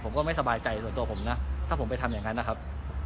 ผมก็ไม่สบายใจส่วนตัวผมนะถ้าผมไปทำอย่างนั้นนะครับ